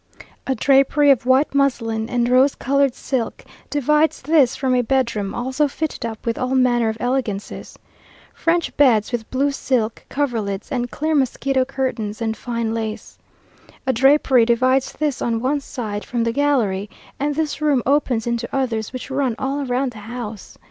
A drapery of white muslin and rose coloured silk divides this from a bedroom, also fitted up with all manner of elegances. French beds with blue silk coverlids and clear mosquito curtains, and fine lace. A drapery divides this on one side from the gallery; and this room opens into others which run all round the house.